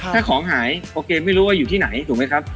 ถ้าของหายโอเคไม่รู้ว่าอยู่ที่ไหนถูกไหมครับ